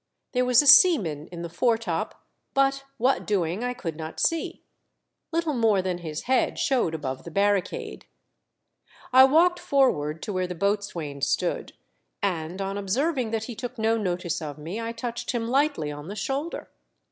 There was a seaman in the foretop, but what doing I could not see ; little more than his head showed above the barricade. I walked forward to where the boatswain stood, and, on observing that he took no notice of me, I touched him lightly on the shoulder.